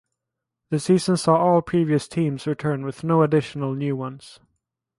The season saw all previous teams return with no additional new ones.